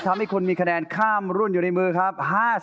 ทำให้คุณมีคะแนนข้ามรุ่นอยู่ในมือครับ